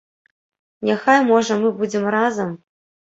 Няхай, можа, мы будзем разам?